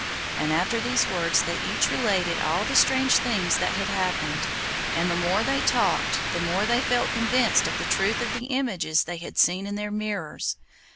And after these words they each related all the strange things that had happened, and the more they talked the more they felt convinced of the truth of the images they had seen in their mirrors.